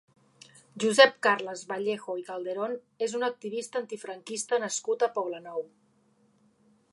Josep Carles Vallejo i Calderón és un activista antifranquista nascut a Poblenou.